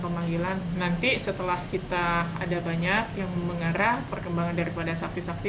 pemanggilan nanti setelah kita ada banyak yang mengarah perkembangan daripada saksi saksi